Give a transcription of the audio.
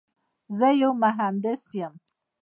زه یو مهندس یم.